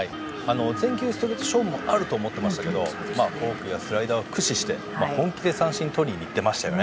全球ストレート勝負もあるかなと思ってましたがフォークやスライダーを駆使して本気で三振をとりにいってました。